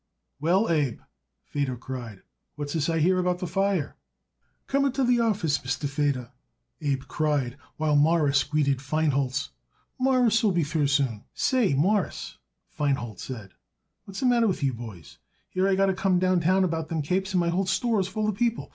"Well, Abe," Feder cried, "what's this I hear about the fire?" "Come into the office, Mr. Feder," Abe cried, while Morris greeted Feinholz. "Morris will be through soon." "Say, Mawruss," Feinholz said. "What's the matter with you boys? Here I got to come downtown about them capes, and my whole store's full of people.